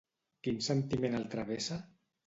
Quin sentiment el travessa?